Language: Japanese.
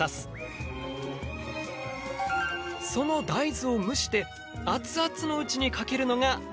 その大豆を蒸してアツアツのうちにかけるのが。